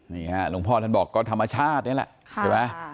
นี่ฮะหลวงพ่อท่านบอกก็ธรรมชาตินี่แหละใช่ไหม